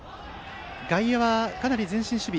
外野はかなり前進守備。